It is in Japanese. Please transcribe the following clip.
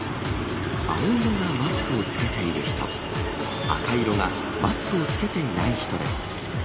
青色がマスクを着けている人、赤色がマスクを着けていない人です。